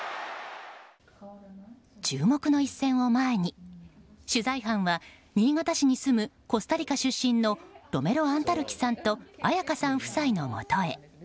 注目の一戦を前に取材班は新潟市に住むコスタリカ出身のロメロアンタルキさんと彩夏さん夫妻のもとへ。